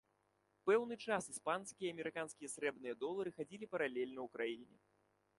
Пэўны час іспанскія і амерыканскія срэбраныя долары хадзілі паралельна ў краіне.